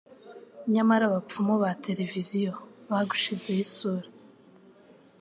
nyamara abapfumu ba tereviziyo bagushizeho isura